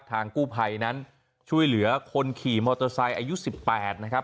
ทางกู้ภัยนั้นช่วยเหลือคนขี่มอเตอร์ไซค์อายุ๑๘นะครับ